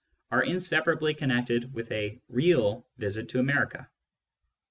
are inseparably connected with a " real '* visit to America.